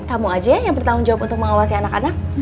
kamu aja yang bertanggung jawab untuk mengawasi anak anak